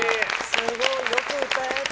すごいよく歌えた。